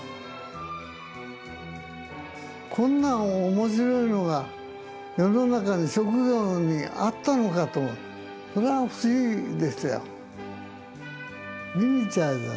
こんな面白いのが世の中に職業にあったのかともそれは不思議でしたよ。